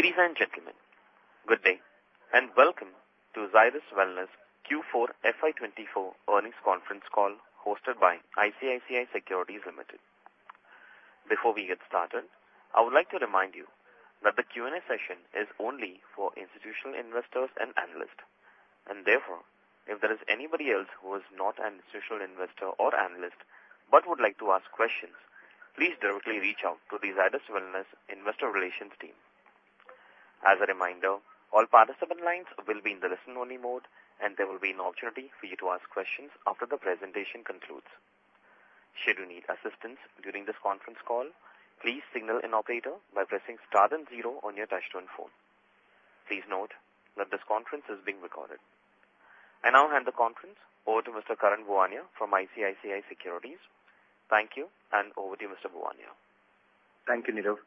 Ladies and gentlemen, good day, and welcome to Zydus Wellness Q4 FY 2024 Earnings Conference Call, hosted by ICICI Securities Limited. Before we get started, I would like to remind you that the Q&A session is only for institutional investors and analysts. And therefore, if there is anybody else who is not an institutional investor or analyst, but would like to ask questions, please directly reach out to the Zydus Wellness investor relations team. As a reminder, all participant lines will be in the listen-only mode, and there will be an opportunity for you to ask questions after the presentation concludes. Should you need assistance during this conference call, please signal an operator by pressing star then zero on your touchtone phone. Please note that this conference is being recorded. I now hand the conference over to Mr. Karan Bhuwania from ICICI Securities. Thank you, and over to you, Mr. Bhuwania. Thank you, Nirav.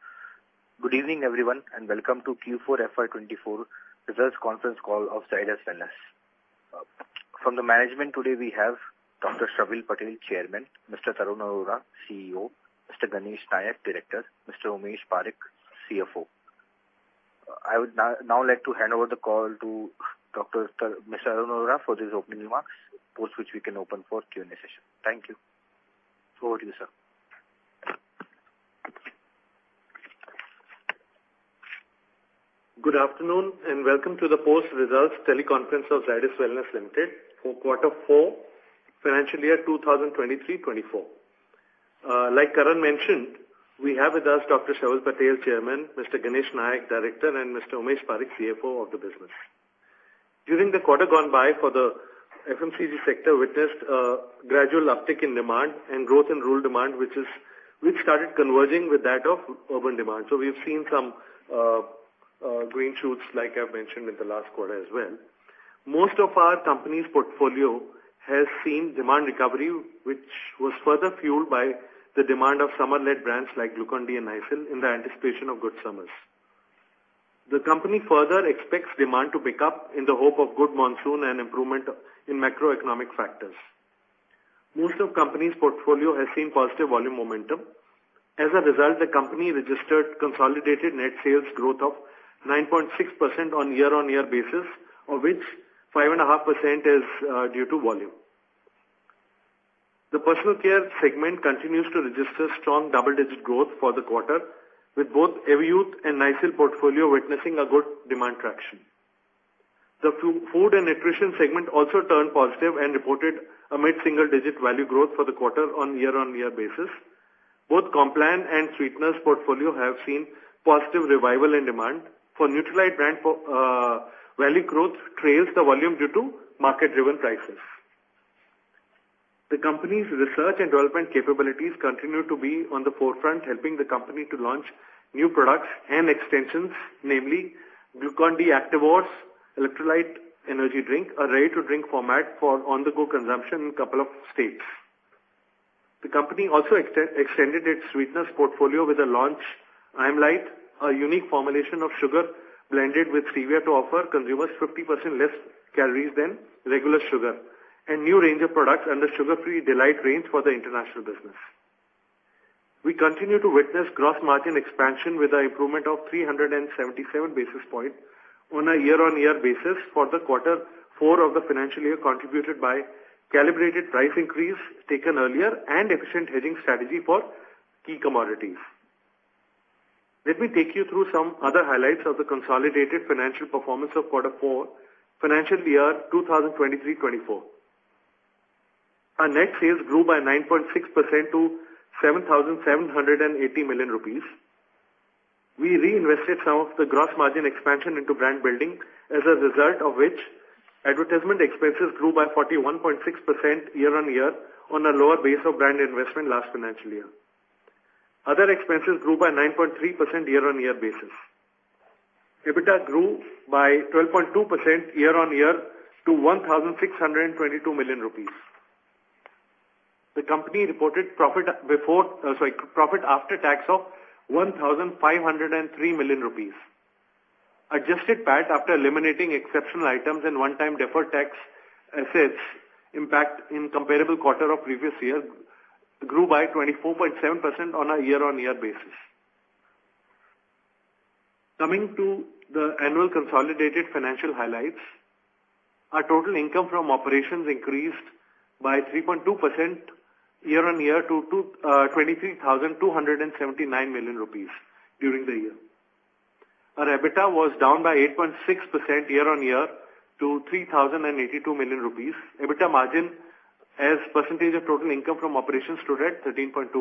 Good evening, everyone, and welcome to Q4 FY 2024 results conference call of Zydus Wellness. From the management today, we have Dr. Sharvil Patel, Chairman; Mr. Tarun Arora, CEO; Mr. Ganesh Nayak, Director; Mr. Umesh Parekh, CFO. I would now like to hand over the call to Dr. Tar- Mr. Tarun Arora for his opening remarks, post which we can open for Q&A session. Thank you. Over to you, sir. Good afternoon, and welcome to the post results teleconference of Zydus Wellness Limited for quarter four, financial year 2023-2024. Like Karan mentioned, we have with us Dr. Sharvil Patel, Chairman, Mr. Ganesh Nayak, Director, and Mr. Umesh Parekh, CFO of the business. During the quarter gone by for the FMCG sector witnessed gradual uptick in demand and growth in rural demand, which started converging with that of urban demand. So we've seen some green shoots, like I've mentioned in the last quarter as well. Most of our company's portfolio has seen demand recovery, which was further fueled by the demand of summer-led brands like Glucon-D and Nycil, in the anticipation of good summers. The company further expects demand to pick up in the hope of good monsoon and improvement in macroeconomic factors. Most of company's portfolio has seen positive volume momentum. As a result, the company registered consolidated net sales growth of 9.6% on year-over-year basis, of which 5.5% is due to volume. The personal care segment continues to register strong double-digit growth for the quarter, with both Everyuth and Nycil portfolio witnessing a good demand traction. The food and nutrition segment also turned positive and reported a mid-single digit value growth for the quarter on year-over-year basis. Both Complan and Sweeteners portfolio have seen positive revival in demand. For Nutralite brand, value growth trails the volume due to market-driven prices. The company's research and development capabilities continue to be on the forefront, helping the company to launch new products and extensions, namely, Glucon-D ActivORS electrolyte energy drink, a ready-to-drink format for on-the-go consumption in a couple of states. The company also extended its sweeteners portfolio with the launch I'm Lite, a unique formulation of sugar blended with stevia to offer consumers 50% less calories than regular sugar, and new range of products under Sugar Free D'lite range for the international business. We continue to witness cross-margin expansion with an improvement of 377 basis points on a year-on-year basis for quarter four of the financial year contributed by calibrated price increase taken earlier and efficient hedging strategy fro key commodities. Let me take you through some highlights of the consolidated financial performance of quarter four, financial year 2023-2024. Our net sales grew by 9.6% to 7,780 million rupees. We reinvested some of the gross margin expansion into brand building, as a result of which, advertisement expenses grew by 41.6% year-on-year, on a lower base of brand investment last financial year. Other expenses grew by 9.3% year-on-year basis. EBITDA grew by 12.2% year-on-year to 1,622 million rupees. The company reported profit after tax of 1,503 million rupees. Adjusted PAT after eliminating exceptional items and one-time deferred tax assets impact in comparable quarter of previous year grew by 24.7% on a year-on-year basis. Coming to the annual consolidated financial highlights, our total income from operations increased by 3.2% year-on-year to 23,279 million rupees during the year. Our EBITDA was down by 8.6% year-on-year to 3,082 million rupees. EBITDA margin as percentage of total income from operations stood at 13.2%.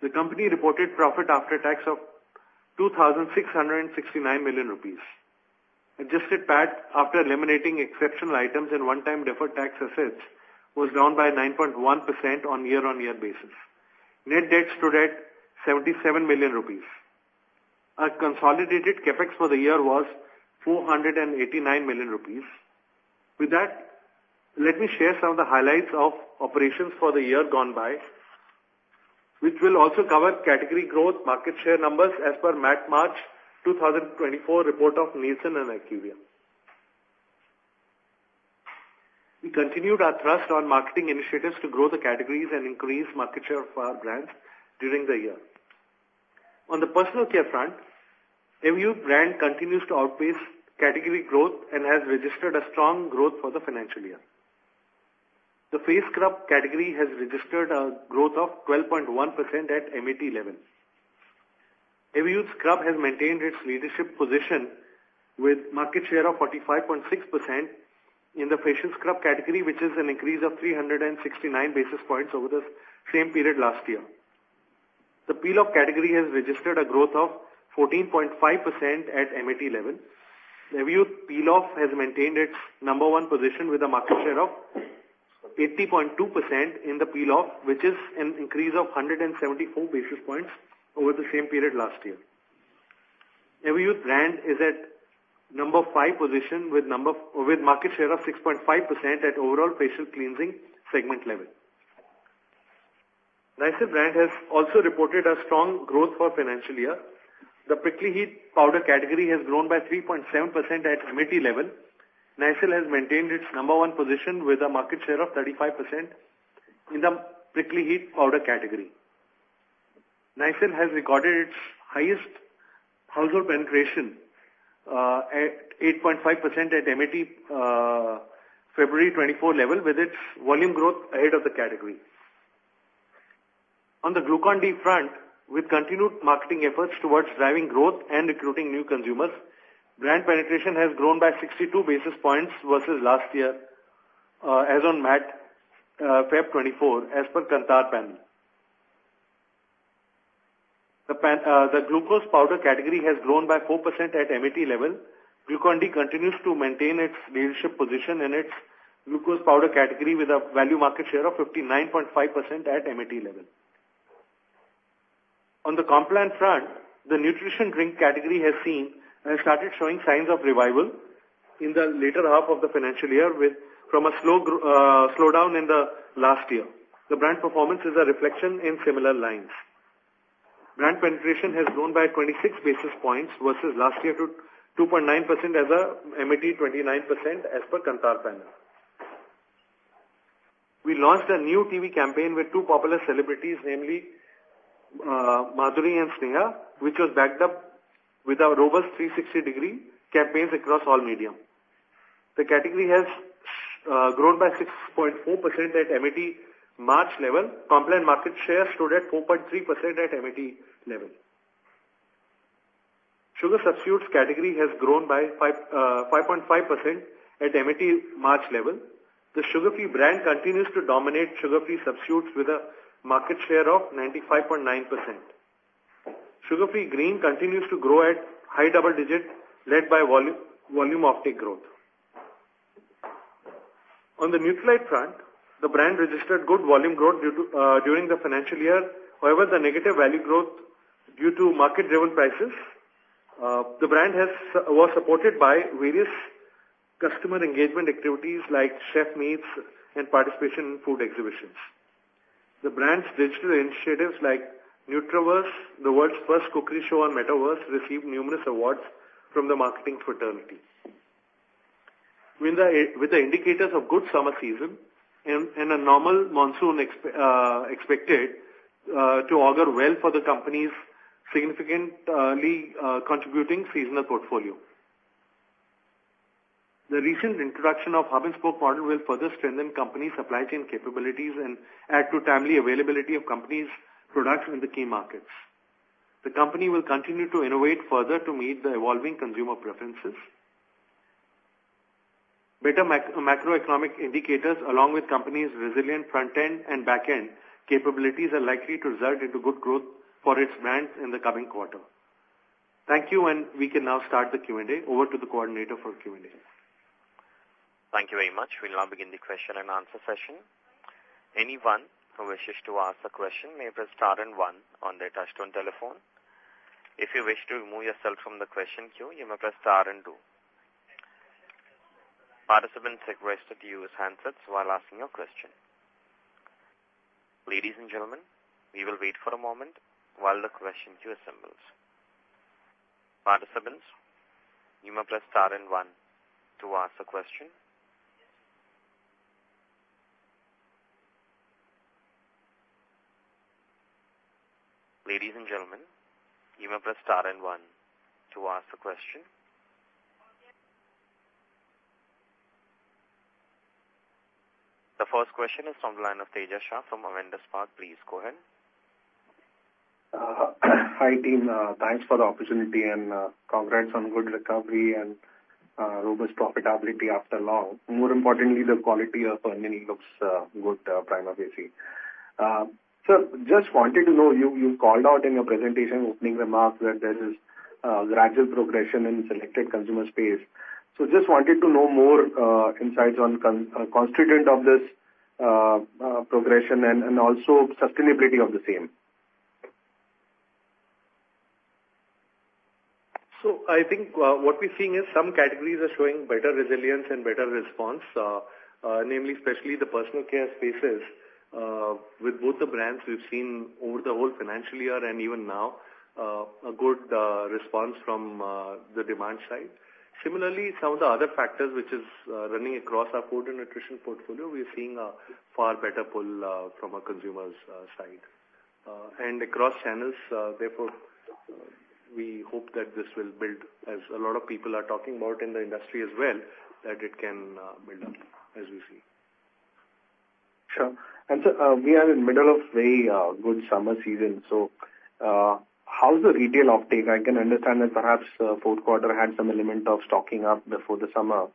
The company reported profit after tax of 2,669 million rupees. Adjusted PAT after eliminating exceptional items and one-time deferred tax assets, was down by 9.1% on year-on-year basis. Net debt stood at 77 million rupees. Our consolidated CapEx for the year was 489 million rupees. With that, let me share some of the highlights of operations for the year gone by, which will also cover category growth, market share numbers as per MAT March 2024 report of Nielsen and IQVIA. We continued our thrust on marketing initiatives to grow the categories and increase market share of our brands during the year. On the personal care front, Everyuth brand continues to outpace category growth and has registered a strong growth for the financial year. The face scrub category has registered a growth of 12.1% at MAT level. Everyuth scrub has maintained its leadership position with market share of 45.6% in the facial scrub category, which is an increase of 369 basis points over the same period last year. The peel-off category has registered a growth of 14.5% at MAT level. Everyuth peel-off has maintained its number one position with a market share of 80.2% in the peel-off, which is an increase of 174 basis points over the same period last year. Everyuth brand is at number five position with market share of 6.5% at overall facial cleansing segment level. Nycil brand has also reported a strong growth for financial year. The prickly heat powder category has grown by 3.7% at MAT level. Nycil has maintained its number one position with a market share of 35% in the prickly heat powder category. Nycil has recorded its highest household penetration at 8.5% at MAT February 2024 level, with its volume growth ahead of the category. On the Glucon-D front, with continued marketing efforts towards driving growth and recruiting new consumers, brand penetration has grown by 62 basis points versus last year, as on MAT February 2024, as per Kantar panel. The glucose powder category has grown by 4% at MAT level. Glucon-D continues to maintain its leadership position in its glucose powder category with a value market share of 59.5% at MAT level. On the Complan front, the nutrition drink category has started showing signs of revival in the latter half of the financial year from a slowdown in the last year. The brand performance is a reflection in similar lines. Brand penetration has grown by 26 basis points versus last year to 2.9% as a MAT February 2024, as per Kantar panel. We launched a new TV campaign with two popular celebrities, namely, Madhuri and Sneha, which was backed up with a robust 360-degree campaigns across all media. The category has grown by 6.4% at MAT March level. Complan market share stood at 4.3% at MAT level. Sugar substitutes category has grown by 5.5% at MAT March level. The Sugar Free brand continues to dominate sugar-free substitutes with a market share of 95.9%. Sugar Free Green continues to grow at high double digits, led by volume offtake growth. On the Nutralite front, the brand registered good volume growth due to during the financial year. However, the negative value growth due to market-driven prices, the brand was supported by various customer engagement activities like chef meets and participation in food exhibitions. The brand's digital initiatives, like Nutraverse, the world's first cookery show on Metaverse, received numerous awards from the marketing fraternity. With the indicators of good summer season and a normal monsoon expected to augur well for the company's significantly contributing seasonal portfolio. The recent introduction of hub and spoke model will further strengthen company's supply chain capabilities and add to timely availability of company's products in the key markets. The company will continue to innovate further to meet the evolving consumer preferences. Better macroeconomic indicators, along with company's resilient front-end and back-end capabilities, are likely to result into good growth for its brands in the coming quarter. Thank you, and we can now start the Q&A. Over to the coordinator for Q&A. Thank you very much. We'll now begin the question and answer session. Anyone who wishes to ask a question may press star and one on their touchtone telephone. If you wish to remove yourself from the question queue, you may press star and two. Participants are requested to use handsets while asking your question. Ladies and gentlemen, we will wait for a moment while the question queue assembles. Participants, you may press star and one to ask a question. Ladies and gentlemen, you may press star and one to ask a question. The first question is from the line of Tejas Shah from Avendus Spark. Please, go ahead. Hi, team. Thanks for the opportunity, and, congrats on good recovery and, robust profitability after long. More importantly, the quality of earning looks, good, prima facie. So just wanted to know, you, you called out in your presentation opening remarks that there is, gradual progression in selected consumer space. So just wanted to know more, insights on con-- constituent of this, progression and, also sustainability of the same. So I think what we're seeing is some categories are showing better resilience and better response, namely especially the personal care spaces. With both the brands, we've seen over the whole financial year and even now, a good response from the demand side. Similarly, some of the other factors which is running across our food and nutrition portfolio, we are seeing a far better pull from a consumer's side... and across channels, therefore, we hope that this will build, as a lot of people are talking about in the industry as well, that it can build up as we see. Sure. And so, we are in middle of very good summer season, so, how's the retail uptake? I can understand that perhaps fourth quarter had some element of stocking up before the summer.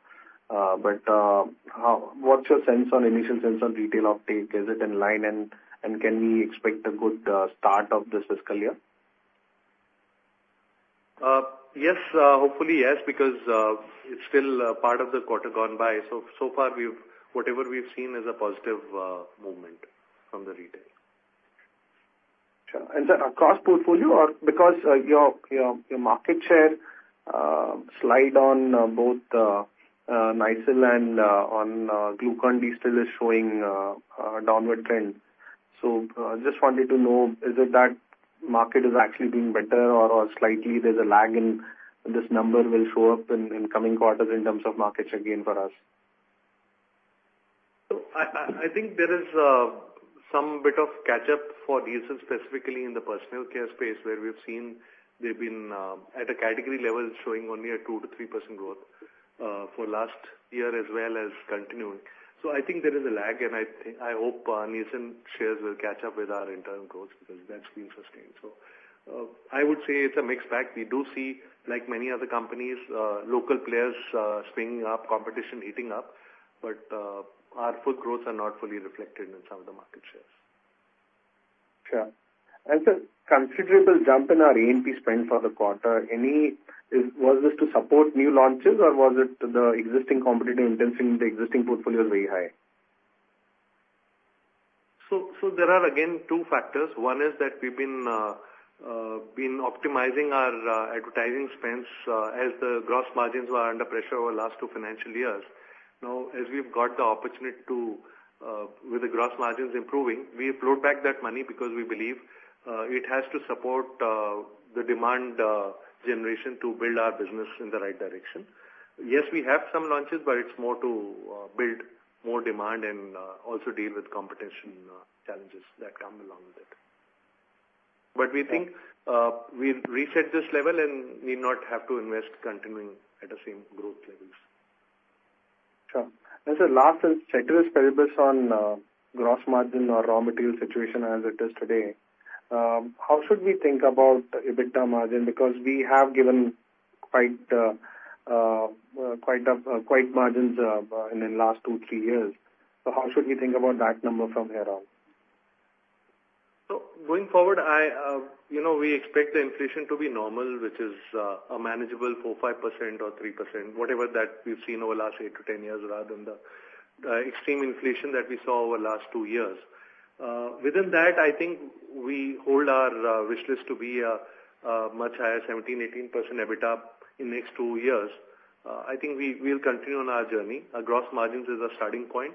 But, what's your sense on initial sense on retail uptake? Is it in line, and, and can we expect a good start of this fiscal year? Yes. Hopefully, yes, because it's still part of the quarter gone by. So far, we've whatever we've seen is a positive movement from the retail. Sure. And, sir, our cost portfolio are... Because your market share slide on both Nycil and Glucon-D still is showing a downward trend. So, just wanted to know, is it that market is actually doing better or slightly there's a lag in this number will show up in coming quarters in terms of market share gain for us? So I think there is some bit of catch-up for Nielsen, specifically in the personal care space, where we've seen they've been at a category level, showing only a 2%-3% growth for last year, as well as continuing. So I think there is a lag, and I hope Nielsen shares will catch up with our internal growth, because that's been sustained. So I would say it's a mixed bag. We do see, like many other companies, local players spinning up, competition heating up, but our full growth are not fully reflected in some of the market shares. Sure. Sir, considerable jump in our A&P spend for the quarter. Was this to support new launches or was it the existing competitive intensity in the existing portfolio is very high? So, so there are, again, two factors. One is that we've been optimizing our advertising spends as the gross margins were under pressure over last two financial years. Now, as we've got the opportunity to, with the gross margins improving, we deployed back that money because we believe it has to support the demand generation to build our business in the right direction. Yes, we have some launches, but it's more to build more demand and also deal with competition challenges that come along with it. But we think, we've reset this level and need not have to invest continuing at the same growth levels. Sure. Sir, last, and ceteris paribus on gross margin or raw material situation as it is today, how should we think about EBITDA margin? Because we have given quite, quite a, quite margins in the last two, three years. So how should we think about that number from here on? So going forward, I, you know, we expect the inflation to be normal, which is a manageable 4%-5% or 3%, whatever that we've seen over the last eight to 10 years, rather than the extreme inflation that we saw over the last two years. Within that, I think we hold our wish list to be a much higher 17%-18% EBITDA in next two years. I think we, we'll continue on our journey. Our gross margins is our starting point.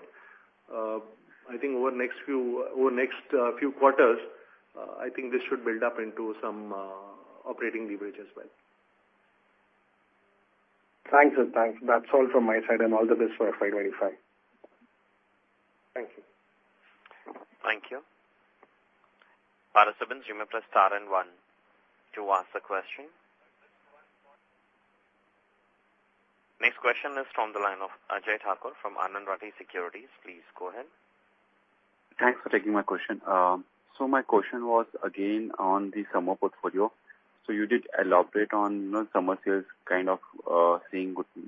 I think over the next few, over next few quarters, I think this should build up into some operating leverage as well. Thanks, sir. Thanks. That's all from my side, and all the best for FY 2025. Thank you. Thank you. Participants, you may press star and one to ask a question. Next question is from the line of Ajay Thakur from Anand Rathi Securities. Please go ahead. Thanks for taking my question. So my question was again on the summer portfolio. So you did elaborate on, you know, summer sales, kind of,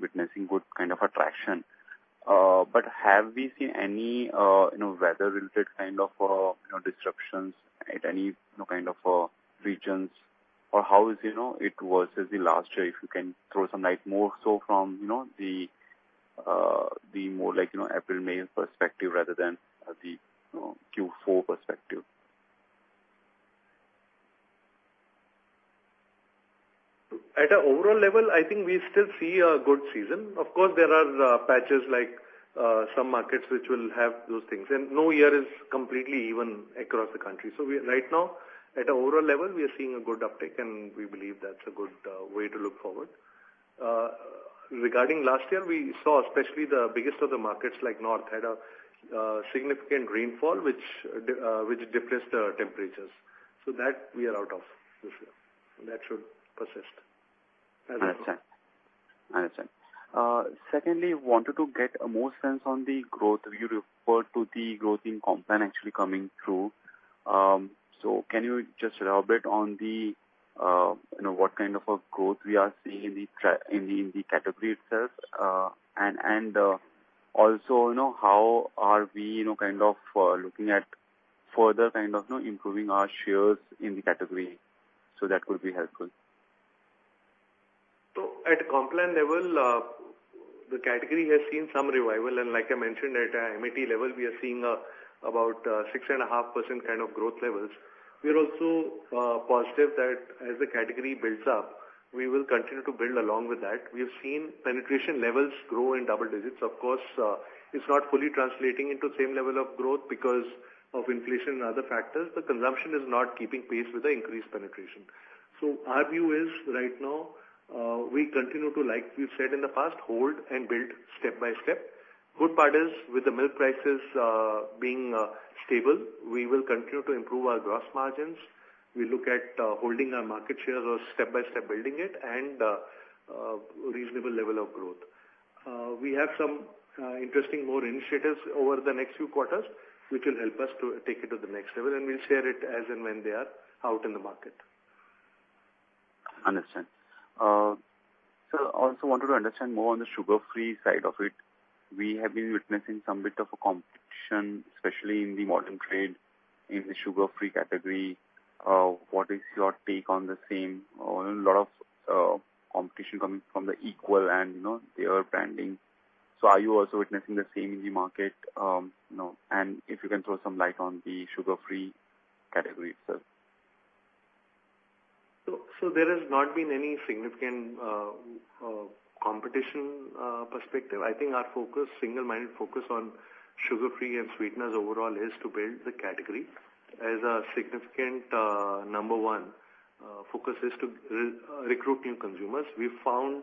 witnessing good kind of attraction. But have we seen any, you know, weather-related kind of, you know, disruptions at any, you know, kind of, regions? Or how is, you know, it versus the last year, if you can throw some light more so from, you know, the more like, you know, April, May perspective rather than the, you know, Q4 perspective? At an overall level, I think we still see a good season. Of course, there are patches like some markets which will have those things, and no year is completely even across the country. So we right now, at an overall level, we are seeing a good uptake, and we believe that's a good way to look forward. Regarding last year, we saw especially the biggest of the markets, like North, had a significant rainfall, which depressed the temperatures. So that we are out of this year, and that should persist as well. I understand. I understand. Secondly, wanted to get a more sense on the growth. You referred to the growth in Complan actually coming through. So can you just elaborate on the, you know, what kind of a growth we are seeing in the category itself? And also, you know, how are we, you know, kind of looking at further kind of, you know, improving our shares in the category? So that would be helpful. So at Complan level, the category has seen some revival, and like I mentioned, at a MAT level, we are seeing about 6.5% kind of growth levels. We are also positive that as the category builds up, we will continue to build along with that. We have seen penetration levels grow in double digits. Of course, it's not fully translating into same level of growth because of inflation and other factors, but consumption is not keeping pace with the increased penetration. So our view is right now, we continue to, like we've said in the past, hold and build step by step. Good part is with the milk prices being stable, we will continue to improve our gross margins. We look at holding our market shares or step-by-step building it, and a reasonable level of growth. We have some interesting more initiatives over the next few quarters, which will help us to take it to the next level, and we'll share it as and when they are out in the market. Understand. Sir, I also wanted to understand more on the sugar-free side of it. We have been witnessing some bit of a competition, especially in the modern trade, in the sugar-free category. What is your take on the same? A lot of competition coming from Equal and, you know, their branding. So are you also witnessing the same in the market? You know, and if you can throw some light on the sugar-free category itself. So there has not been any significant competition perspective. I think our focus, single-minded focus on Sugar Free and sweeteners overall is to build the category. As a significant number one focus is to recruit new consumers. We found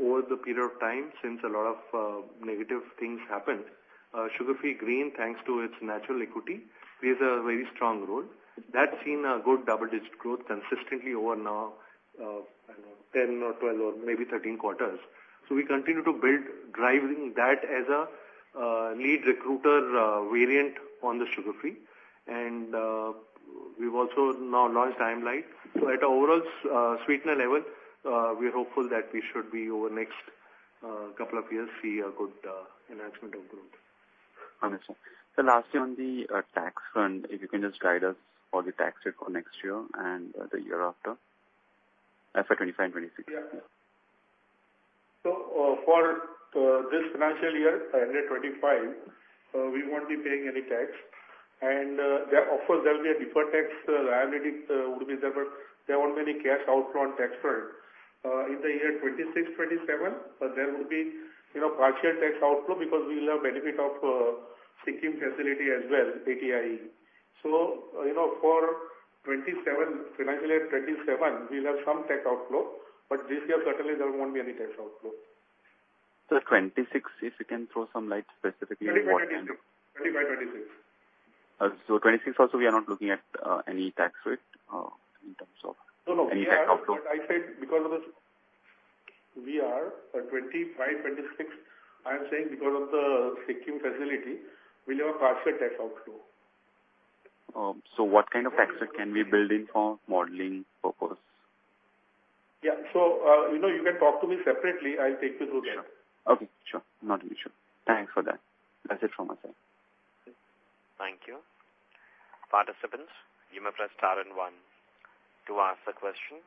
over the period of time, since a lot of negative things happened, Sugar Free Green, thanks to its natural equity, plays a very strong role. That's seen a good double-digit growth consistently over now, I don't know, 10 or 12 or maybe 13 quarters. So we continue to build, driving that as a lead recruiter variant on the Sugar Free. And we've also now launched I'm Lite. So at an overall sweetener level, we're hopeful that we should be over next couple of years see a good enhancement of growth. Understand. So lastly, on the tax front, if you can just guide us on the tax rate for next year and the year after. As for 2025, 2026. Yeah. So, for this financial year 2025, we won't be paying any tax. And there of course, there will be a deferred tax liability would be there, but there won't be any cash outflow on tax front. In the year 2026, 2027, but there will be, you know, partial tax outflow because we will have benefit of Sikkim facility as well, the 80-IE. So, you know, for 2027, financial year 2027, we'll have some tax outflow, but this year, certainly there won't be any tax outflow. 2026, if you can throw some light specifically what- 2025, 2026. 2025, 2026. So 26 also, we are not looking at any tax rate in terms of- No, no. Any tax outflow. I said, because of the... We are for 2025, 2026. I am saying because of the Sikkim facility, we'll have a partial tax outflow. So what kind of tax rate can we build in for modeling purpose? Yeah. So, you know, you can talk to me separately. I'll take you through that. Okay, sure. Not an issue. Thanks for that. That's it from my side. Thank you. Participants, you may press star and one to ask the question.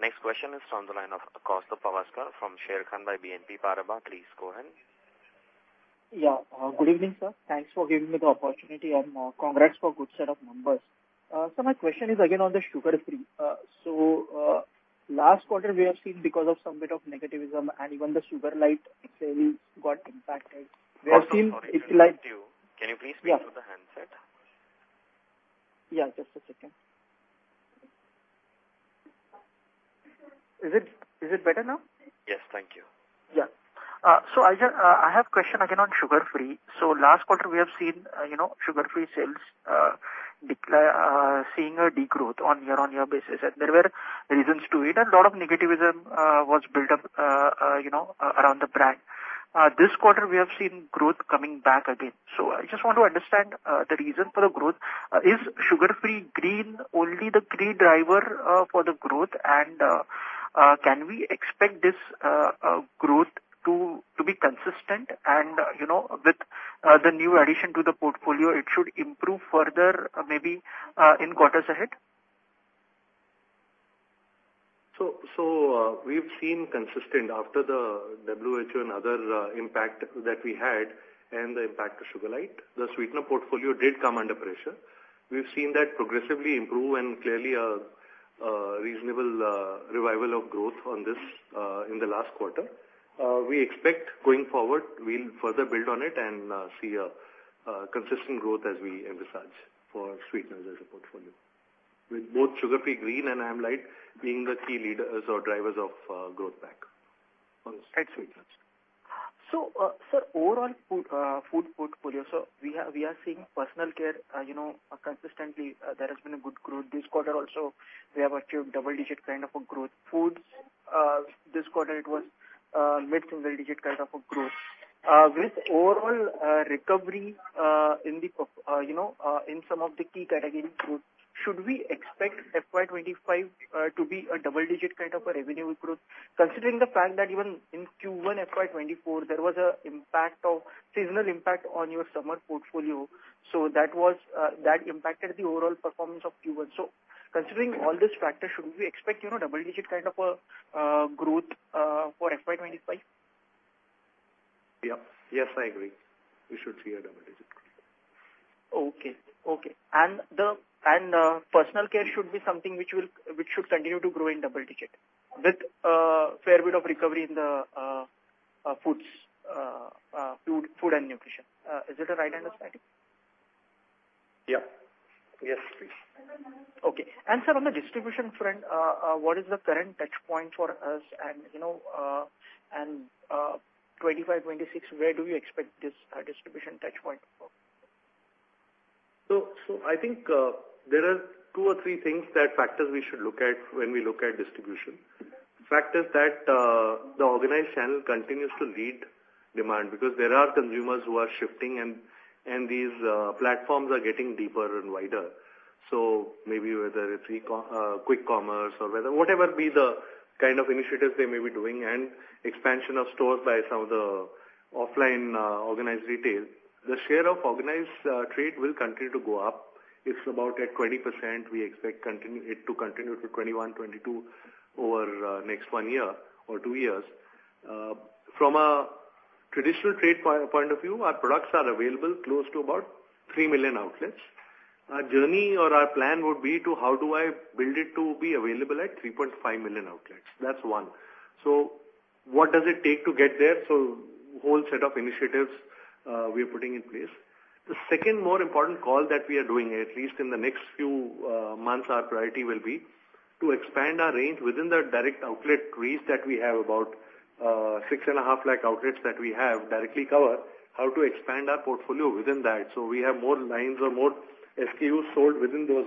Next question is on the line of Kaustubh Pawaskar from Sharekhan by BNP Paribas. Please go ahead. Yeah. Good evening, sir. Thanks for giving me the opportunity, and congrats for good set of numbers. So my question is again on the Sugar Free. So, last quarter, we have seen because of some bit of negativism and even the Sugarlite sales got impacted. We have seen it like- Kaustubh, sorry to interrupt you. Can you please speak through the handset? Yeah, just a second. Is it, is it better now? Yes, thank you. Yeah. So I just, I have a question again on Sugar Free. So last quarter, we have seen, you know, Sugar Free sales decline, seeing a degrowth on year-on-year basis, and there were reasons to it, and a lot of negativism was built up, you know, around the brand. This quarter, we have seen growth coming back again. So I just want to understand the reason for the growth. Is Sugar Free Green only the key driver for the growth? And can we expect this growth to be consistent? And, you know, with the new addition to the portfolio, it should improve further, maybe in quarters ahead? We've seen consistent after the WHO and other impact that we had and the impact of Sugarlite, the sweetener portfolio did come under pressure. We've seen that progressively improve and clearly a reasonable revival of growth on this in the last quarter. We expect going forward, we'll further build on it and see a consistent growth as we emphasize for sweeteners as a portfolio, with both Sugar Free Green and I'm Lite being the key leaders or drivers of growth back on the sweeteners. So, sir, overall food portfolio, so we are seeing personal care, you know, consistently, there has been a good growth. This quarter also, we have achieved double-digit kind of a growth. Foods, this quarter, it was mid-single digit kind of a growth. With overall recovery in the you know in some of the key categories growth, should we expect FY 2025 to be a double-digit kind of a revenue growth, considering the fact that even in Q1 FY 2024, there was a impact of seasonal impact on your summer portfolio, so that was that impacted the overall performance of Q1. So considering all these factors, should we expect, you know, double-digit kind of growth for FY 2025? Yeah. Yes, I agree. We should see a double-digit. Okay. Okay. And personal care should be something which will, which should continue to grow in double digit, with fair bit of recovery in the food and nutrition. Is that a right understanding? Yeah. Yes, please. Okay. And sir, on the distribution front, what is the current touch point for us? And, you know, and, 2025, 2026, where do you expect this distribution touch point to go? So I think there are two or three things that factors we should look at when we look at distribution. Factors that the organized channel continues to lead demand, because there are consumers who are shifting and these platforms are getting deeper and wider. So maybe whether it's e-com quick commerce or whether whatever be the kind of initiatives they may be doing, and expansion of stores by some of the offline organized retail, the share of organized trade will continue to go up. It's about at 20%. We expect it to continue to 21%-22% over next one year or two years. From a traditional trade point of view, our products are available close to about 3 million outlets. Our journey or our plan would be to how do I build it to be available at 3.5 million outlets? That's one. So what does it take to get there? So whole set of initiatives, we're putting in place. The second more important call that we are doing, at least in the next few months, our priority will be to expand our range within the direct outlet reach that we have about 650,000 outlets that we have directly covered, how to expand our portfolio within that, so we have more lines or more SKUs sold within those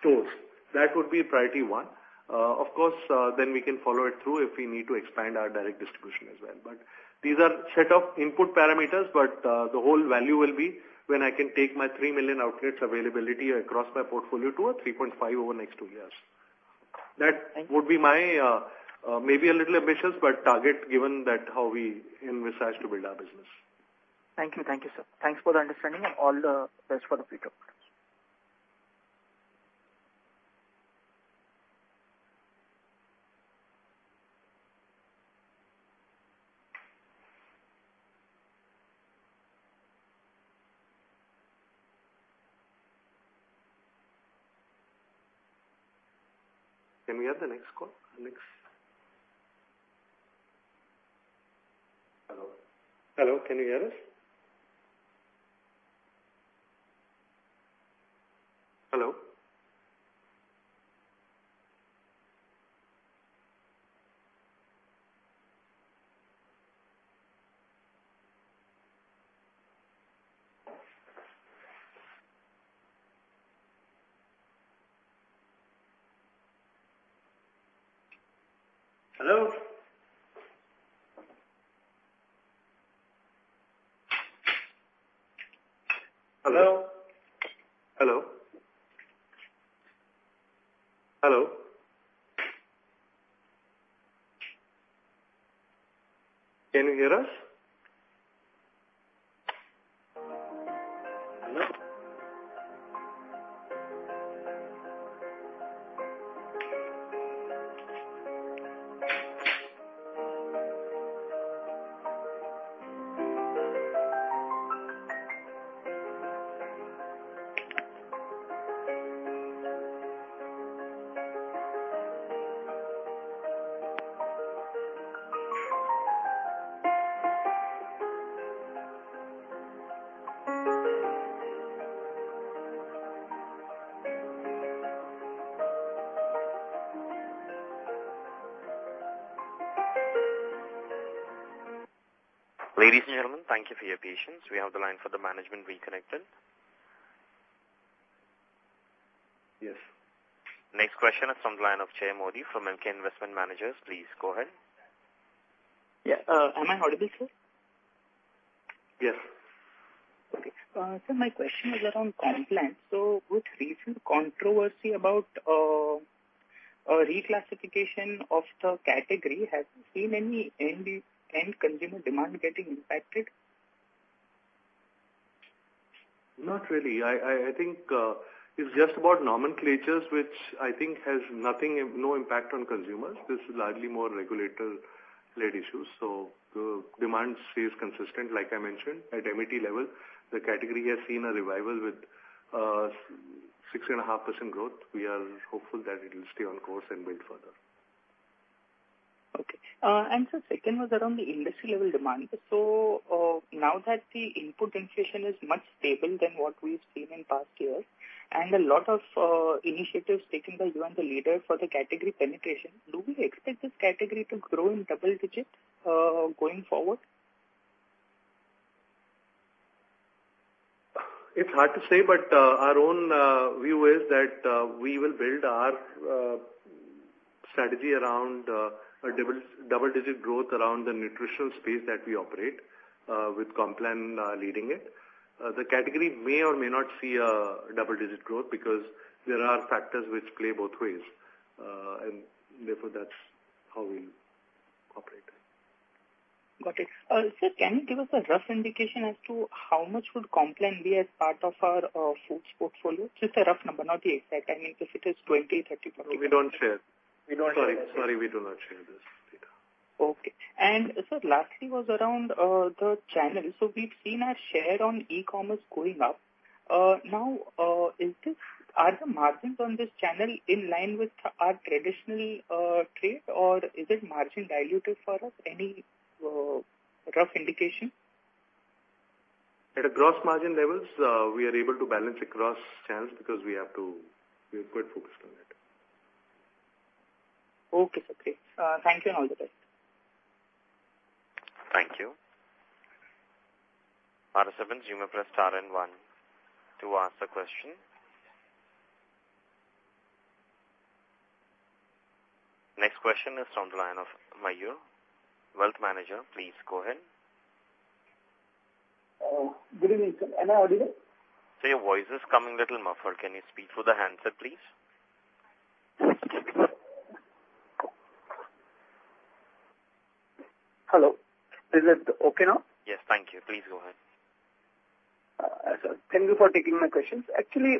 stores. That would be priority one. Of course, then we can follow it through if we need to expand our direct distribution as well. But these are set of input parameters, but, the whole value will be when I can take my 3 million outlets availability across my portfolio to a 3.5 over the next two years. That would be my, maybe a little ambitious, but target, given that how we envisage to build our business. Thank you. Thank you, sir. Thanks for the understanding and all the best for the future. Can we have the next call? Next... Hello? Hello, can you hear us? Hello? Hello? Hello. Hello. Can you hear us? Hello. Ladies and gentlemen, thank you for your patience. We have the line for the management reconnected. Yes. Next question is from the line of Jay Modi from Emkay Investment Managers. Please, go ahead. Yeah, am I audible, sir? Yes. Okay. Sir, my question is around Complan. So with recent controversy about a reclassification of the category, have you seen any end consumer demand getting impacted? Not really. I think it's just about nomenclatures, which I think has nothing, no impact on consumers. This is largely more regulator-led issues, so the demand stays consistent, like I mentioned, at MAT level. The category has seen a revival with 6.5% growth. We are hopeful that it will stay on course and build further. Okay. And sir, second was around the industry level demand. So, now that the input inflation is much stable than what we've seen in past years, and a lot of initiatives taken by you and the leader for the category penetration, do we expect this category to grow in double-digits, going forward? It's hard to say, but our own view is that we will build our strategy around a double-digit growth around the nutritional space that we operate with Complan leading it. The category may or may not see a double-digit growth because there are factors which play both ways, and therefore, that's how we operate. Got it. Sir, can you give us a rough indication as to how much would Complan be as part of our foods portfolio? Just a rough number, not the exact. I mean, if it is 20, 30, 40- We don't share. We don't share. Sorry, sorry, we do not share this data. Okay. And sir, lastly, was around the channel. So we've seen our share on e-commerce going up... Now, is this, are the margins on this channel in line with our traditional trade, or is it margin diluted for us? Any rough indication? At a gross margin levels, we are able to balance across channels because we have to, we're quite focused on it. Okay, sir. Great. Thank you, and all the best. Thank you. Operator, you may press star and one to ask the question. Next question is on the line of Mayur, Wealth Managers. Please go ahead. Oh, good evening, sir. Am I audible? Sir, your voice is coming a little muffled. Can you speak through the handset, please? Hello, is it okay now? Yes, thank you. Please go ahead. Sir, thank you for taking my questions. Actually,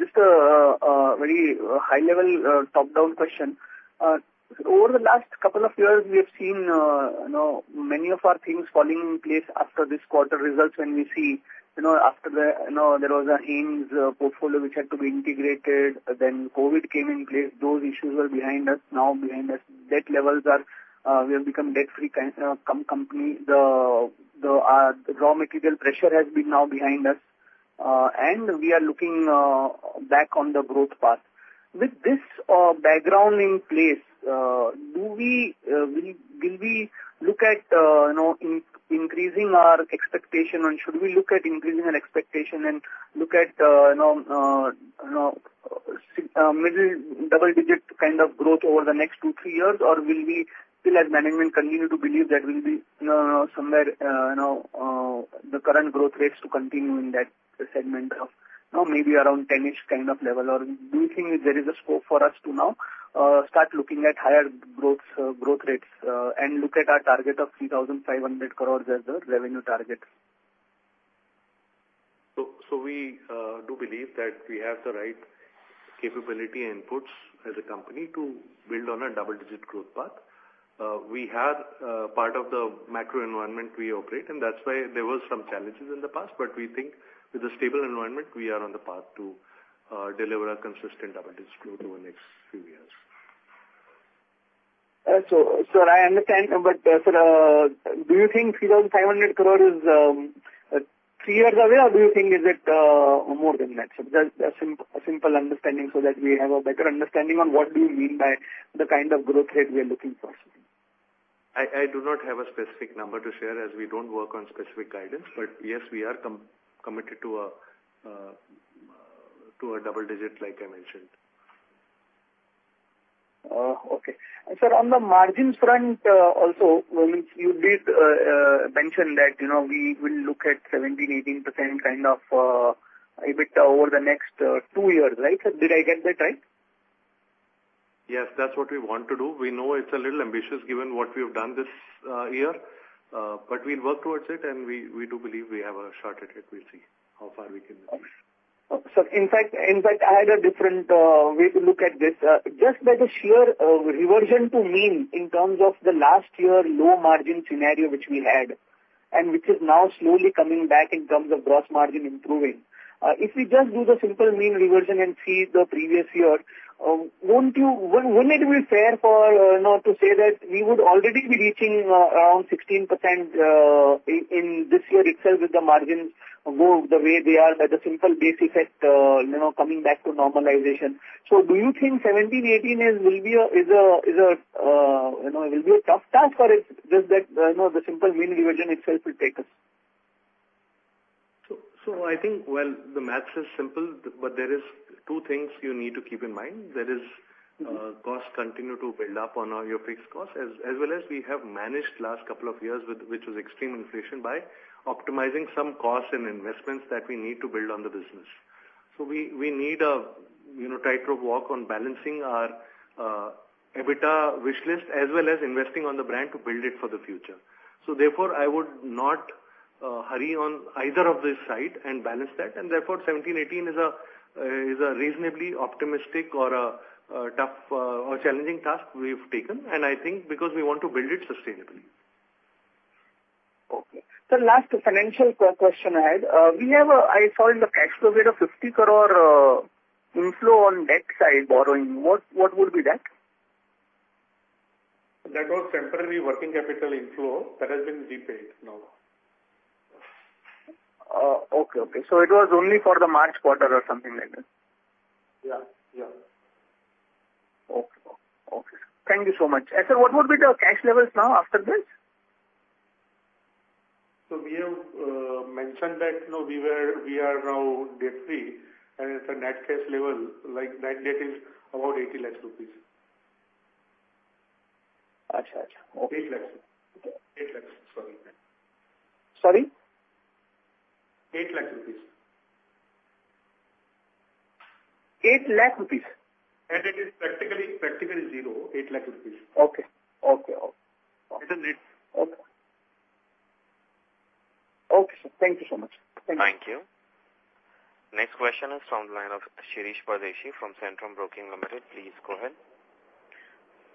just a very high level top-down question. Over the last couple of years, we have seen, you know, many of our things falling in place after this quarter results, when we see, you know, after the, you know, there was a Heinz portfolio which had to be integrated, then COVID came in place. Those issues are behind us, now behind us. Debt levels are, we have become debt-free company. The, the raw material pressure has been now behind us, and we are looking back on the growth path. With this background in place, will we look at, you know, increasing our expectation, and should we look at increasing our expectation and look at, you know, you know, middle double-digit kind of growth over the next two to three years? Or will we still, as management, continue to believe that we'll be somewhere, you know, the current growth rates to continue in that segment of, you know, maybe around 10-ish kind of level? Or do you think there is a scope for us to now start looking at higher growth growth rates and look at our target of 3,500 crores as the revenue target? So, so we do believe that we have the right capability and inputs as a company to build on a double-digit growth path. We had part of the macro environment we operate, and that's why there were some challenges in the past. But we think with a stable environment, we are on the path to deliver a consistent double-digit growth over the next few years. So, sir, I understand. But, sir, do you think 3,500 crores is three years away, or do you think is it more than that, sir? Just a simple understanding so that we have a better understanding on what do you mean by the kind of growth rate we are looking for, sir. I do not have a specific number to share, as we don't work on specific guidance. But yes, we are committed to a double-digit, like I mentioned. Okay. Sir, on the margins front, also, you did mention that, you know, we will look at 17%-18% kind of EBIT over the next two years, right? Sir, did I get that right? Yes, that's what we want to do. We know it's a little ambitious, given what we have done this year. But we'll work towards it, and we do believe we have a shot at it. We'll see how far we can push. Sir, in fact, in fact, I had a different way to look at this. Just by the sheer reversion to mean in terms of the last year low margin scenario which we had, and which is now slowly coming back in terms of gross margin improving. If we just do the simple mean reversion and see the previous year, won't you-- wouldn't it be fair for you know to say that we would already be reaching around 16% in in this year itself, if the margins go the way they are, by the simple base effect you know coming back to normalization. So do you think 17%, 18% is will be a is a is a you know it will be a tough task, or it's just that you know the simple mean reversion itself will take us? So, I think, well, the math is simple, but there is two things you need to keep in mind. There is, costs continue to build up on all your fixed costs, as well as we have managed last couple of years, which was extreme inflation, by optimizing some costs and investments that we need to build on the business. So we, we need a, you know, tightrope walk on balancing our, EBITDA wish list, as well as investing on the brand to build it for the future. So therefore, I would not, hurry on either of this side and balance that. And therefore, 17%-18% is a, is a reasonably optimistic or a, a tough, or challenging task we've taken, and I think because we want to build it sustainably. Okay. So last financial question I had. We have a... I saw in the cash flow, we had a 50 crores inflow on debt side borrowing. What, what would be that? That was temporary working capital inflow that has been repaid now. Okay. Okay. So it was only for the March quarter or something like that? Yeah. Yeah. Okay. Okay. Thank you so much. Sir, what would be the cash levels now after this? So we have mentioned that, you know, we are now debt free, and it's a net cash level, like, net debt is about 80 lakhs rupees. Okay. Okay. 8 lakhs rupees. 8 lakhs, sorry. Sorry? 8 lakhs rupees. 8 lakh?s It is practically, practically zero. 8 lakhs rupees. Okay. Okay. Okay. It is INR 8 lakhs. Okay. Okay, sir. Thank you so much. Thank you. Next question is from the line of Shirish Pardeshi from Centrum Broking Limited. Please go ahead.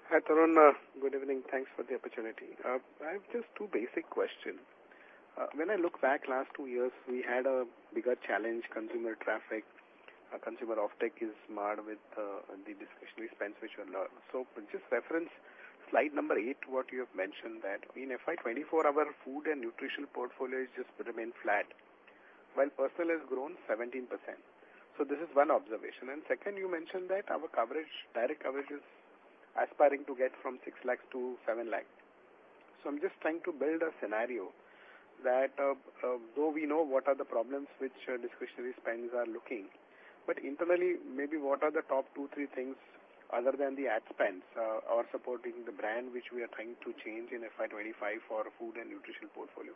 Hi, Tarun. Good evening. Thanks for the opportunity. I have just two basic questions. When I look back last two years, we had a bigger challenge, consumer traction. Our consumer offtake is marred with the discretionary spends, which are low. So just reference slide number eight what you have mentioned that in FY 2024, our food and nutrition portfolio is just remain flat, while personal has grown 17%. So this is one observation. And second, you mentioned that our coverage, direct coverage, is aspiring to get from 6 lakhs-7 lakhs. So I'm just trying to build a scenario that, though we know what are the problems which discretionary spends are looking, but internally, maybe what are the top two, three things other than the ad spends, or supporting the brand, which we are trying to change in FY 2025 for food and nutrition portfolio?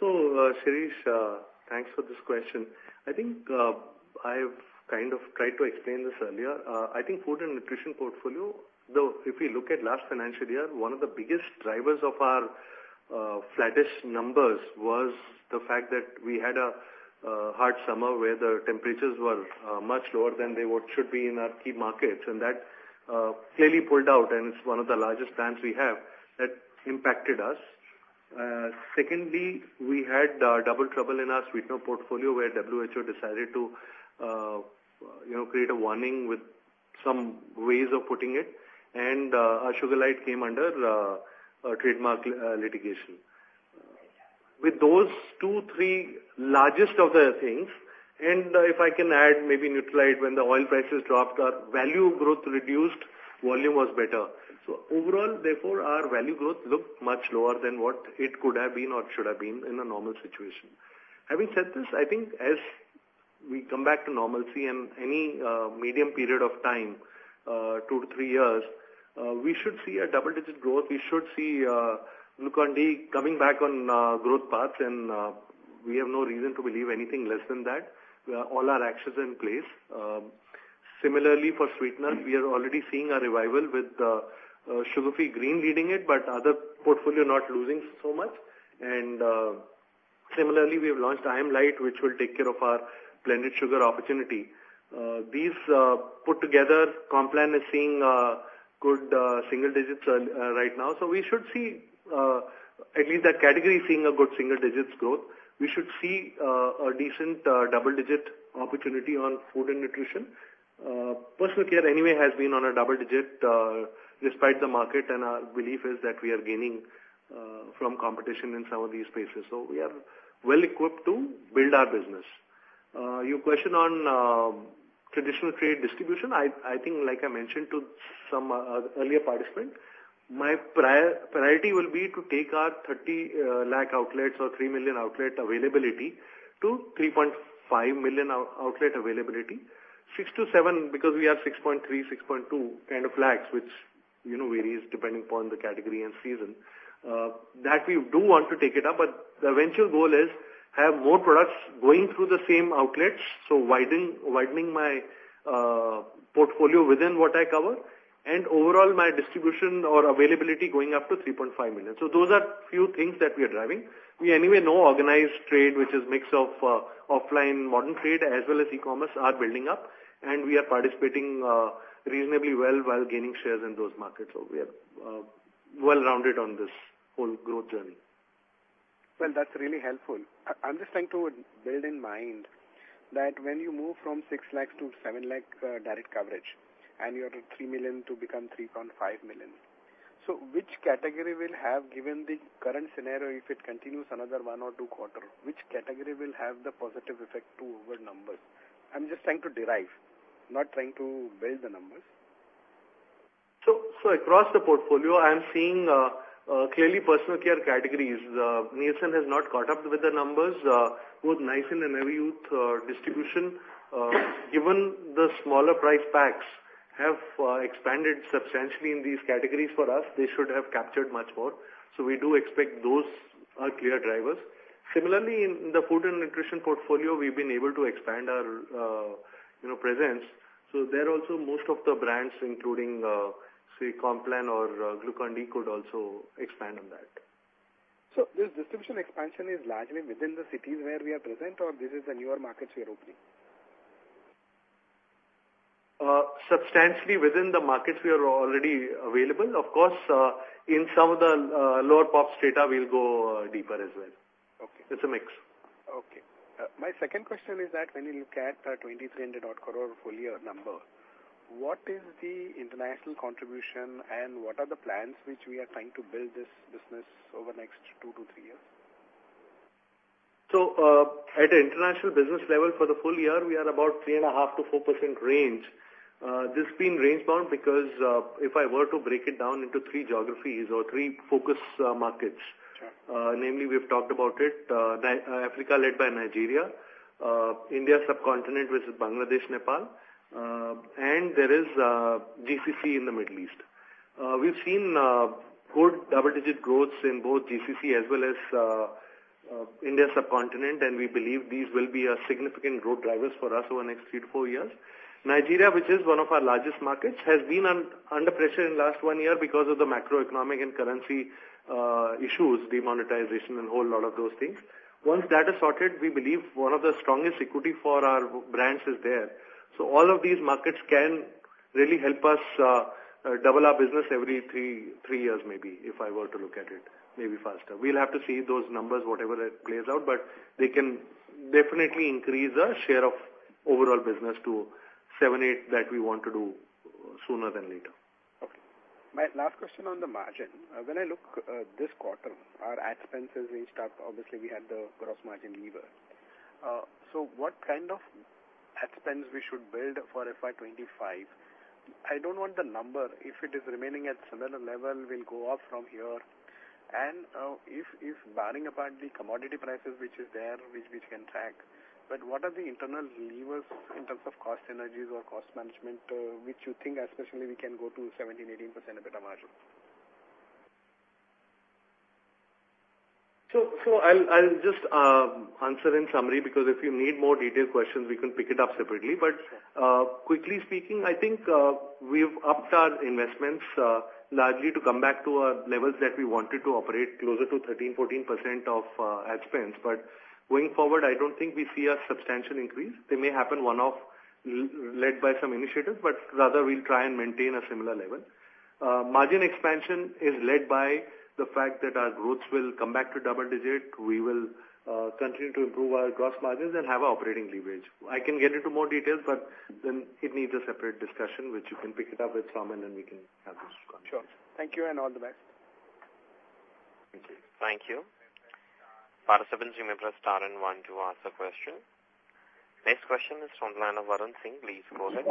So, Shirish, thanks for this question. I think, I've kind of tried to explain this earlier. I think food and nutrition portfolio, though, if we look at last financial year, one of the biggest drivers of our, flattest numbers was the fact that we had a, hard summer where the temperatures were, much lower than they would should be in our key markets. And that, clearly pulled out, and it's one of the largest brands we have. That impacted us. Secondly, we had, double trouble in our sweetener portfolio, where WHO decided to, you know, create a warning with some ways of putting it, and, our Sugarlite came under, a trademark, litigation. With those two, three largest of the things, and if I can add, maybe Nutralite, when the oil prices dropped, our value growth reduced, volume was better. So overall, therefore, our value growth looked much lower than what it could have been or should have been in a normal situation. Having said this, I think as we come back to normalcy in any medium period of time, two to three years, we should see a double-digit growth. We should see Glucon-D coming back on growth path, and we have no reason to believe anything less than that, where all our actions in place. Similarly, for sweetener, we are already seeing a revival with Sugar Free Green leading it, but other portfolio not losing so much. And similarly, we have launched I'm Lite, which will take care of our blended sugar opportunity. These put together, Complan is seeing good single-digit right now. So we should see at least that category seeing a good single-digit growth. We should see a decent double-digit opportunity on food and nutrition. Personal care anyway has been on a double-digit despite the market, and our belief is that we are gaining from competition in some of these spaces, so we are well equipped to build our business. Your question on traditional trade distribution, I think, like I mentioned to some earlier participant, my priority will be to take our 30 lakh outlets or 3 million outlet availability to 3.5 million outlet availability. 6-7, because we have 6.3 lakhs-6.2 lakhs, which, you know, varies depending upon the category and season. That we do want to take it up, but the eventual goal is have more products going through the same outlets, so widening my portfolio within what I cover, and overall, my distribution or availability going up to 3.5 million. So those are few things that we are driving. We anyway know organized trade, which is mix of offline, modern trade, as well as e-commerce, are building up, and we are participating reasonably well while gaining shares in those markets. So we are well-rounded on this whole growth journey. Well, that's really helpful. I'm just trying to build in mind that when you move from 6 lakhs to 7 lakh direct coverage, and you are at 3 million to become 3.5 million. So which category will have, given the current scenario, if it continues another one or two quarter, which category will have the positive effect to our numbers? I'm just trying to derive, not trying to build the numbers. So across the portfolio, I am seeing clearly personal care categories. Nielsen has not caught up with the numbers, both Nycil and Everyuth distribution. Given the smaller price packs have expanded substantially in these categories for us, they should have captured much more. So we do expect those are clear drivers. Similarly, in the food and nutrition portfolio, we've been able to expand our, you know, presence. So there also, most of the brands, including say Complan or Glucon-D, could also expand on that. This distribution expansion is largely within the cities where we are present, or this is the newer markets we are opening? Substantially within the markets we are already available. Of course, in some of the lower POPs data, we'll go deeper as well. Okay. It's a mix. Okay. My second question is that when you look at 2023 and the Q4 full year number, what is the international contribution, and what are the plans which we are trying to build this business over the next two to three years? So, at the international business level for the full year, we are about 3.5%-4% range. This being range-bound, because, if I were to break it down into three geographies or three focus markets- Sure. Namely, we've talked about it, Africa, led by Nigeria, India subcontinent, which is Bangladesh, Nepal, and there is GCC in the Middle East. We've seen good double-digit growths in both GCC as well as India subcontinent, and we believe these will be significant growth drivers for us over the next three, four years. Nigeria, which is one of our largest markets, has been under pressure in last one year because of the macroeconomic and currency issues, demonetization and whole lot of those things. Once that is sorted, we believe one of the strongest equity for our brands is there. So all of these markets can really help us double our business every three, three years maybe, if I were to look at it, maybe faster. We'll have to see those numbers, whatever it plays out, but they can definitely increase our share of overall business to 7%-8% that we want to do sooner than later. Okay. My last question on the margin. When I look, this quarter, our ad spends has reached up. Obviously, we had the gross margin lever. So what kind of ad spends we should build for FY 2025? I don't want the number. If it is remaining at similar level, will go up from here. And, if barring apart the commodity prices, which is there, which can track, but what are the internal levers in terms of cost synergies or cost management, which you think especially we can go to 17%-18% EBITDA margin? So I'll just answer in summary, because if you need more detailed questions, we can pick it up separately. Sure. But, quickly speaking, I think, we've upped our investments, largely to come back to our levels that we wanted to operate closer to 13%-14% of, ad spends. But going forward, I don't think we see a substantial increase. They may happen one-off, led by some initiatives, but rather we'll try and maintain a similar level. Margin expansion is led by the fact that our growth will come back to double-digit. We will, continue to improve our gross margins and have operating leverage. I can get into more details, but then it needs a separate discussion, which you can pick it up with Saumil, and we can have this conversation. Sure. Thank you, and all the best. Thank you. Thank you. Participants, remember to press star and one to ask a question. Next question is from the line of Varun Singh. Please go ahead.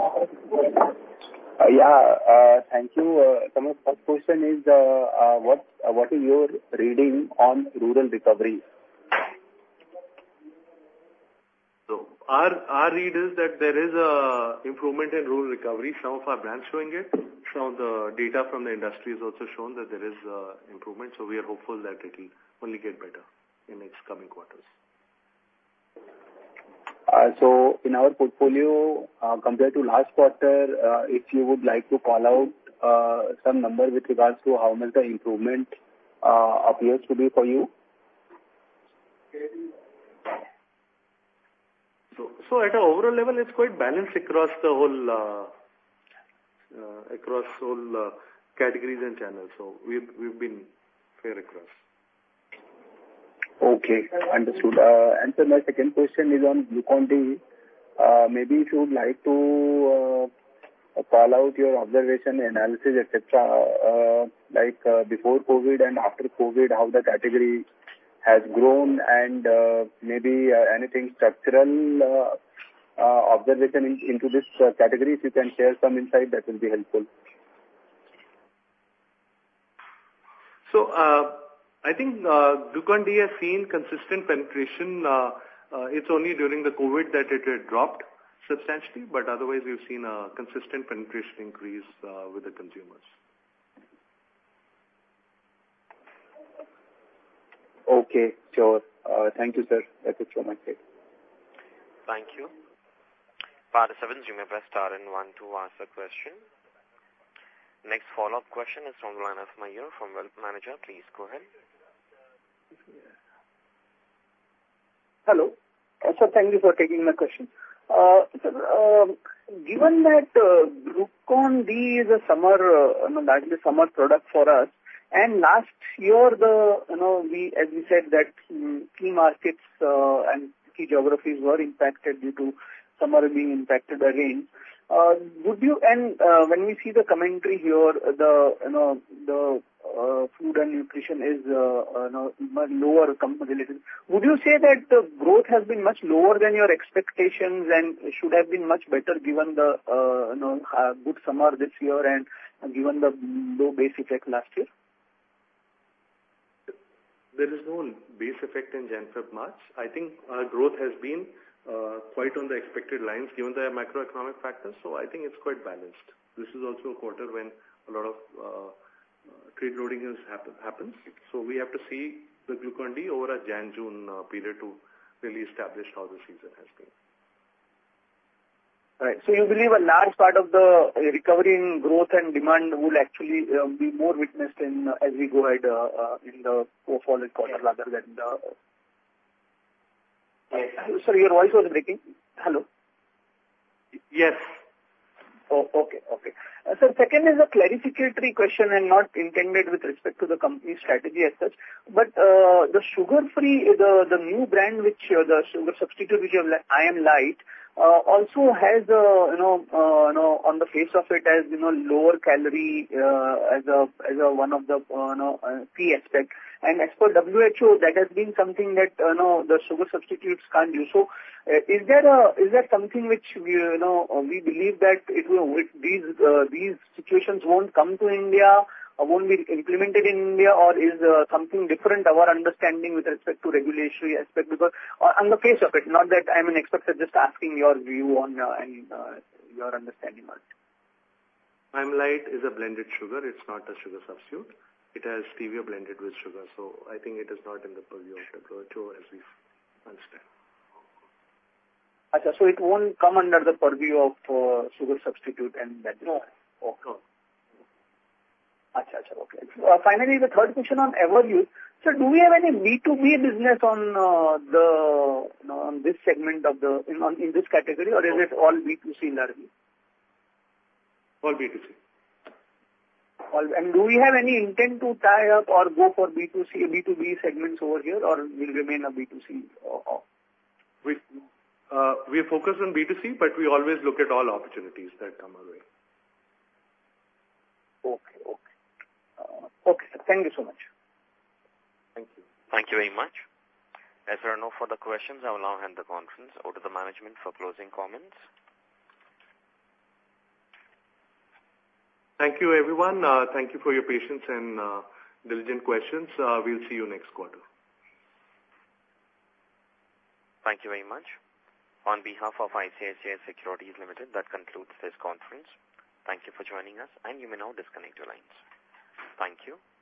Yeah, thank you. First question is, what is your reading on rural recovery? So our read is that there is a improvement in rural recovery. Some of our brands showing it. Some of the data from the industry has also shown that there is improvement, so we are hopeful that it will only get better in its coming quarters. So in our portfolio, compared to last quarter, if you would like to call out some numbers with regards to how much the improvement appears to be for you? So at an overall level, it's quite balanced across the whole, across all categories and channels. So we've been fair across. Okay, understood. And sir, my second question is on Glucon-D. Maybe if you would like to call out your observation, analysis, et cetera, like, before COVID and after COVID, how the category has grown and, maybe, anything structural, observation in, into this category. If you can share some insight, that will be helpful. I think Glucon-D has seen consistent penetration. It's only during the COVID that it had dropped substantially, but otherwise, we've seen a consistent penetration increase with the consumers. Okay, sure. Thank you, sir. That's it from my side. Thank you. Participants, remember star and one to ask a question. Next follow-up question is from the line of Mayur, from Wealth Managers. Please go ahead. Hello. Sir, thank you for taking my question. Sir, given that Glucon-D is a summer, largely summer product for us, and last year, the... You know, we, as you said, that key markets and key geographies were impacted due to summer being impacted again. Would you—And, when we see the commentary here, the, you know, the, food and nutrition is, you know, much lower compared to little. Would you say that the growth has been much lower than your expectations and should have been much better given the, you know, good summer this year and given the low base effect last year? There is no base effect in January, February, March. I think growth has been quite on the expected lines, given the macroeconomic factors, so I think it's quite balanced. This is also a quarter when a lot of trade loading happens, so we have to see the Glucon-D over a January-June period to really establish how the season has been. Right. So you believe a large part of the recovery in growth and demand would actually be more witnessed in, as we go ahead, in the go forward quarter rather than the- Yes. Sorry, your voice was breaking. Hello? Yes. Oh, okay. Okay. Sir, second is a clarificatory question and not intended with respect to the company's strategy as such. But the Sugar Free, the new brand which the sugar substitute which you have I'm Lite also has, you know, on the face of it, has, you know, lower calorie as a one of the key aspect. And as per WHO, that has been something that the sugar substitutes can't do. So is there something which we believe that it will... These situations won't come to India or won't be implemented in India? Or is something different, our understanding with respect to regulatory aspect? Because on the face of it, not that I'm an expert, I'm just asking your view on your understanding on it. I'm Lite is a blended sugar. It's not a sugar substitute. It has stevia blended with sugar, so I think it is not in the purview of the WHO, as we understand. Okay. So it won't come under the purview of sugar substitute and that is all? No. Okay. Okay. Finally, the third question on Everyuth. Sir, do we have any B2B business on, the, you know, on this segment of the, in, on, in this category? Or is it all B2C largely? All B2C. Do we have any intent to tie up or go for B2C, B2B segments over here, or we'll remain a B2C off? We are focused on B2C, but we always look at all opportunities that come our way. Okay. Okay. Okay, sir. Thank you so much. Thank you. Thank you very much. As there are no further questions, I will now hand the conference over to the management for closing comments. Thank you, everyone. Thank you for your patience and diligent questions. We'll see you next quarter. Thank you very much. On behalf of ICICI Securities Limited, that concludes this conference. Thank you for joining us, and you may now disconnect your lines. Thank you.